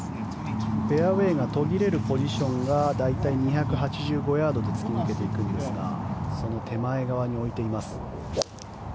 フェアウェーが途切れるポジションが大体２８５ヤードで突き抜けていくんですがその手前側に置いています。